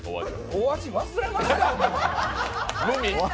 お味、忘れましたよ。